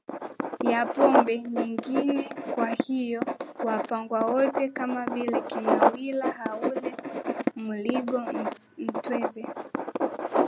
ya pombe nyingineKwa hiyo Wapangwa wote kama vile kina Willah Haule Muligo Mtweve